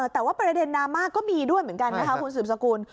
แต่ว่าประเด็นดราม่าก็มีด้วยเหมือนกันนะคะคุณสืบสกุล